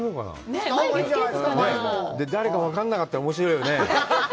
誰か分からなかったらおもしろいよね。